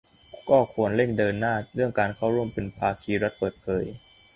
ก็ควรเร่งเดินหน้าเรื่องการเข้าร่วมเป็นภาคีรัฐเปิดเผย